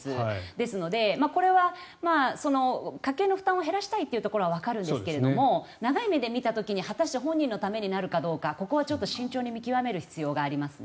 ですので、これは家計の負担を減らしたいというところはわかるんですが長い目で見た時に果たして本人のためになるかどうかここは慎重に見極める必要がありますね。